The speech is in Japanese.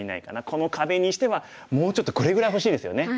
この壁にしてはもうちょっとこれぐらい欲しいですよね。